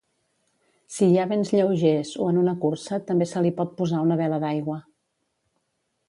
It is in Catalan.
Si hi ha vents lleugers, o en una cursa, també se li pot posar una vela d'aigua.